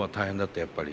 やっぱり。